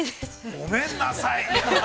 ◆ごめんなさい。